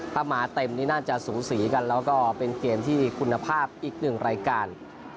ถ้ามาเต็มนี่น่าจะสูสีกันแล้วก็เป็นเกมที่คุณภาพอีกหนึ่งรายการ